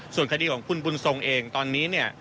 ส่วนคดีของคุณบุญทรงเองตอนนี้เนี่ย